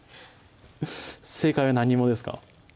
正解は何いもですか？